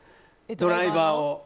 ドライバーを。